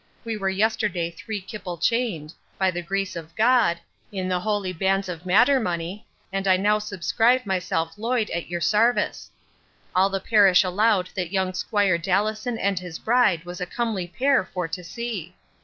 We were yesterday three kiple chined, by the grease of God, in the holy bands of mattermoney, and I now subscrive myself Loyd at your sarvice. All the parish allowed that young 'squire Dallison and his bride was a comely pear for to see.